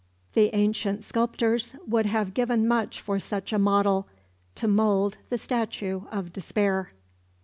The ancient sculptors would have given much for such a model, to mould the statue of Despair.